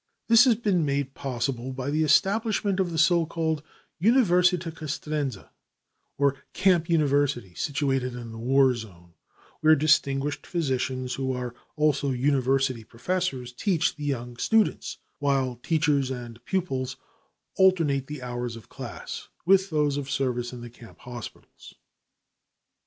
This has been made possible by the establishment of the so called "Universita Castrense," or Camp University, situated in the war zone, where distinguished physicians who are also university professors teach the young students, while teachers and pupils alternate the hours of class with those of service in the camp hospitals.